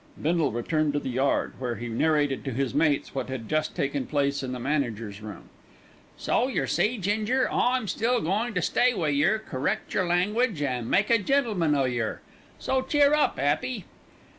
Bindle returned to the yard, where he narrated to his mates what had just taken place in the manager's room. "So yer see, Ginger, I'm still goin' to stay wi' yer, correct yer language an' make a gentleman o' yer. So cheer up, 'Appy."